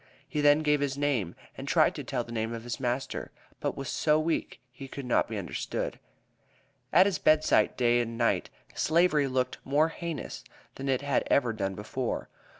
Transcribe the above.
He then gave his name, and tried to tell the name of his master, but was so weak he could not be understood. At his bedside, day and night, Slavery looked more heinous than it had ever done before.